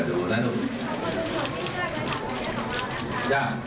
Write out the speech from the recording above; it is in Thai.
ขอบคุณมาก